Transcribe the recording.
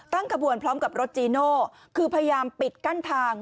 กระบวนพร้อมกับรถจีโน่คือพยายามปิดกั้นทาง